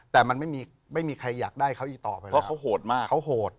แต่มันไม่มีใครอยากได้เขาอีกต่อไปเพราะเขาโหดมากเขาโหด